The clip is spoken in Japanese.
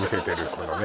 このね